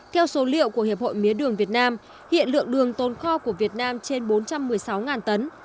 theo số liệu của hiệp hội mía đường việt nam hiện lượng đường tồn kho của việt nam trên bốn trăm một mươi sáu tấn